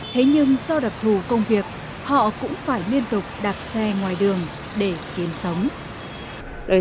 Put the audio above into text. thế nhưng do đặc thù công việc họ cũng phải liên tục đặc sĩ